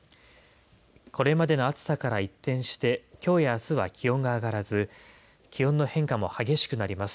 これまでの暑さから一転して、きょうやあすは気温が上がらず、気温の変化も激しくなります。